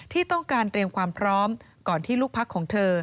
ที่ต้องการเตรียมความพร้อมก่อนที่ลูกพักของเธอ